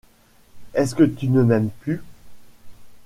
Est-ce que tu ne m’aimes plus ?